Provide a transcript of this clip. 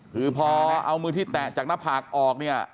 คือพอเอามือที่แตะจากหน้าผากออกเนี่ย